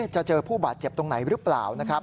จะเจอผู้บาดเจ็บตรงไหนหรือเปล่านะครับ